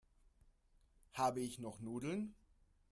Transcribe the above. Habe ich noch Nudeln?